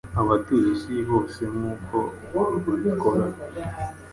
Abatuye isi bosenkuko babikora